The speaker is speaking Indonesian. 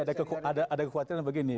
jadi ini ada kekhawatiran begini